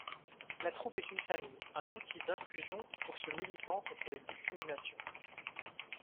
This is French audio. La troupe est une famille, un outil d'inclusion pour ce militant contre les discriminations.